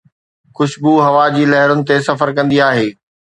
خوشبو هوا جي لهرن تي سفر ڪندي آهي.